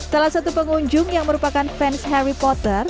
salah satu pengunjung yang merupakan fans harry potter